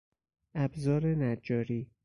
ابزار نجاری